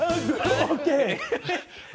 ＯＫ！